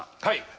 はい！